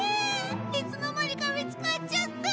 いつの間にか見つかっちゃった！